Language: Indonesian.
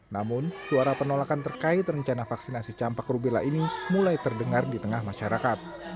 namun suara penolakan terkait rencana vaksinasi campak rubella ini mulai terdengar di tengah masyarakat